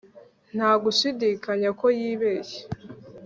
nta gushidikanya ko yibeshye